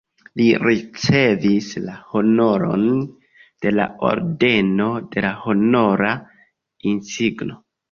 Li ricevis la honoron de la Ordeno de la Honora Insigno.